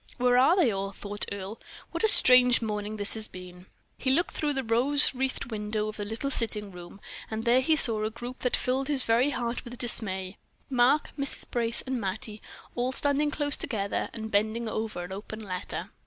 "Where are they all?" thought Earle. "What a strange morning this has been!" He looked through the rose wreathed window of the little sitting room, and there he saw a group that filled his very heart with dismay. Mark, Mrs. Brace, and Mattie, all standing close together, and bending over an open letter.